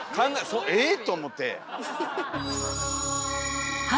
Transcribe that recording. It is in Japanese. え？と思って。